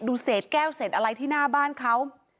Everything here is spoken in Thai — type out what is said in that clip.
เศษแก้วเศษอะไรที่หน้าบ้านเขา